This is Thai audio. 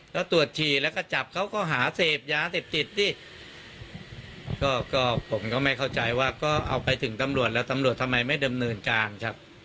แล้วตรวจฉี่แล้วก็จับเขาก็หาเสพยาเสพติดสิก็ผมก็ไม่เข้าใจว่าก็เอาไปถึงตำรวจแล้วตำรวจทำไมไม่ดำเนินการครับ